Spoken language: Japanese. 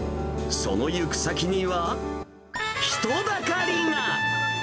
その行く先には、人だかりが。